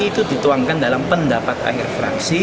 itu dituangkan dalam pendapat akhir fraksi